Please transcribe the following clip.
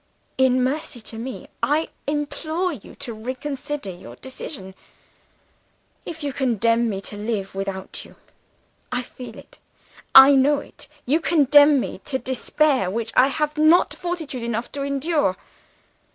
"'In mercy to Me, I implore you to reconsider your decision. "'If you condemn me to live without you I feel it, I know it you condemn me to despair which I have not fortitude enough to endure.